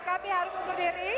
kami harus berdiri